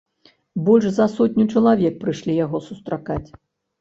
Больш за сотню чалавек прыйшлі яго сустракаць.